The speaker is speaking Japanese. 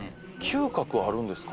嗅覚はあるんですか？